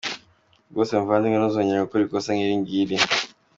Rwose muvandimwe, ntuzongere gukora ikosa nk’iri ngiri.